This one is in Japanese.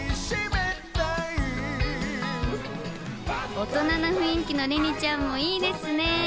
大人な雰囲気の、れにちゃんもいいですね！